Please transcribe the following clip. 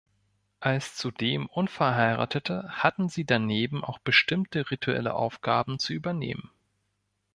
Als zudem Unverheiratete hatten sie daneben auch bestimmte rituelle Aufgaben zu übernehmen.